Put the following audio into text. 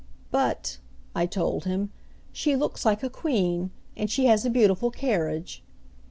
"But," I told him, "she looks like a queen; and she has a beautiful carriage."